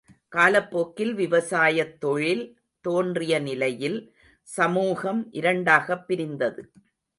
காலப்போக்கில் விவசாயத் தொழில் தோன்றிய நிலையில் சமூகம் இரண்டாகப் பிரிந்தது.